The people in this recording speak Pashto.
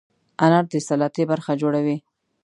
انار د سلاتې برخه جوړوي.